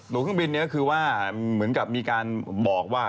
เครื่องบินนี้ก็คือว่าเหมือนกับมีการบอกว่า